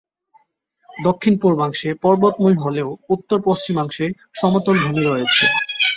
দক্ষিণ-পূর্বাংশে পর্বতময় হলেও উত্তর-পশ্চিমাংশে সমতলভূমি রয়েছে।